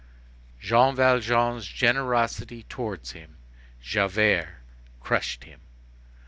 Jean Valjean's generosity towards him, Javert, crushed him.